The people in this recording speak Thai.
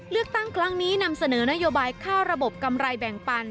เลือกตั้งครั้งนี้นำเสนอนโยบายเข้าระบบกำไรแบ่งปัน